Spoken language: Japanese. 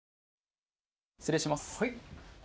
失礼します。